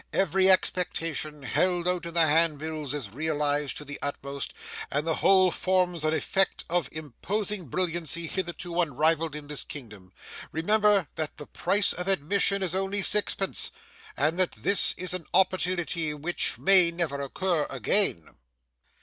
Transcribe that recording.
Every expectation held out in the handbills is realised to the utmost, and the whole forms an effect of imposing brilliancy hitherto unrivalled in this kingdom. Remember that the price of admission is only sixpence, and that this is an opportunity which may never occur again!